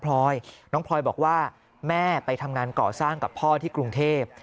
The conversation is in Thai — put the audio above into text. พลอยน้องพลอยบอกว่าแม่ไปทำงานก่อสร้างกับพ่อที่กรุงเทพ